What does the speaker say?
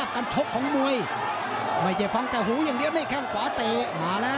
เอาล่ะเอาล่ะหลิงสวยงาม